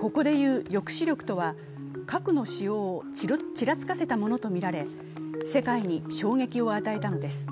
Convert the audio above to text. ここでいう抑止力とは、核の使用をちらつかせたものとみられ世界に衝撃を与えたのです。